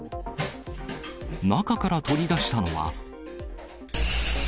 中から取り出したのは。